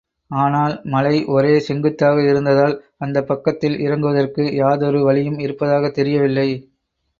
ஆனால், மலை ஒரே செங்குத்தாக இருந்ததால் அந்தப் பக்கத்தில் இறங்குவதற்கு யாதொரு வழியும் இருப்பதாகத் தெரியவில்லை.